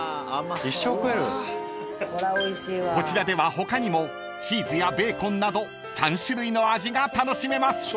［こちらでは他にもチーズやベーコンなど３種類の味が楽しめます］